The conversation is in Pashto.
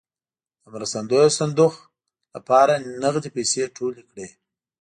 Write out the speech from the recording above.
د مرستندویه صندوق لپاره نغدې پیسې ټولې کړې.